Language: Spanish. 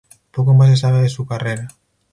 Poco más se sabe de su carrera.